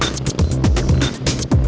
wah keren banget